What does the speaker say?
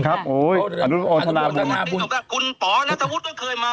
ขอโทษคุณพ่อนะเทวฟุทธ์เคยมา